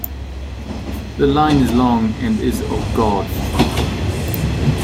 The line is long and is of gauge.